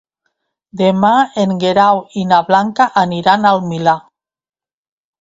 Demà en Guerau i na Blanca aniran al Milà.